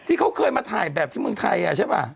ที่เขาเคยมาถ่ายแบบที่เมืองไทยใช่ป่ะ